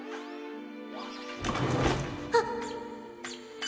あっ！